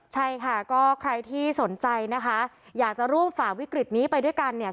ใช่ค่ะก็ใครที่สนใจนะคะอยากจะร่วมฝ่าวิกฤตนี้ไปด้วยกันเนี่ย